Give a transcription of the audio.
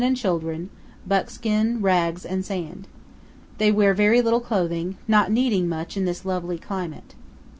and children; buckskin, rags, and sand. They wear very little clothing, not needing much in this lovely climate.